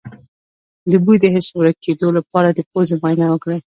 د بوی د حس د ورکیدو لپاره د پوزې معاینه وکړئ